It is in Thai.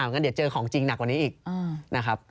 งั้นเดี๋ยวเจอของจริงหนักกว่านี้อีกนะครับ